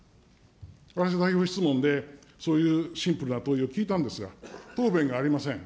私は代表質問で、そういうシンプルな問いを聞いたんですが、答弁がありません。